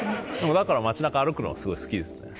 だから町中歩くのはすごい好きですね。